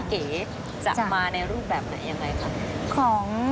เก๋จะมาในรูปแบบไหนยังไงคะ